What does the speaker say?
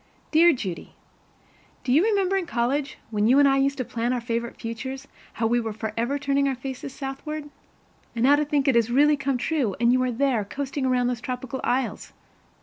Dear Judy: Do you remember in college, when you and I used to plan our favorite futures, how we were forever turning our faces southward? And now to think it has really come true, and you are there, coasting around those tropical isles!